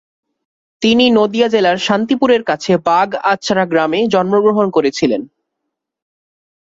তিনি নদিয়া জেলার শান্তিপুরের কাছে বাগআঁচড়া গ্রামে জন্মগ্রহণ করেছিলেন।